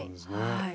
はい。